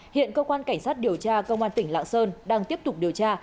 hiện cơ quan cảnh sát điều tra công an tỉnh lạng sơn đang tiếp tục điều tra